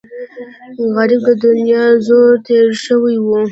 غریب د دنیا له زوره تېر شوی وي